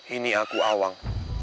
ini aku awang